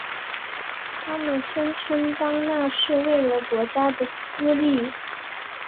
他们声称当那是为了国家的私利。